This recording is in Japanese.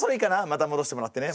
また戻してもらってね。